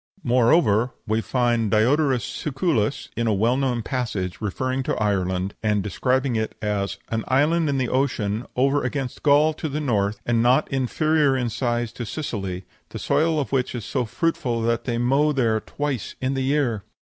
Moreover, we find Diodorus Siculus, in a well known passage, referring to Ireland, and describing it as "an island in the ocean over against Gaul, to the north, and not inferior in size to Sicily, the soil of which is so fruitful that they mow there twice in the year."